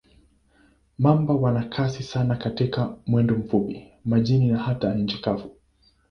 Mamba wana kasi sana katika mwendo mfupi, majini na hata nchi kavu.